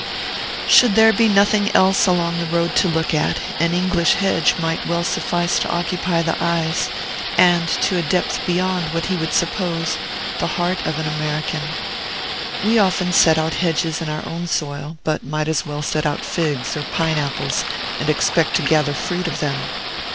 Should there be nothing else along the road to look at, an English hedge might well suffice to occupy the eyes, and, to a depth beyond what he would suppose, the heart of an American. We often set out hedges in our own soil, but might as well set out figs or pineapples and expect to gather fruit of them.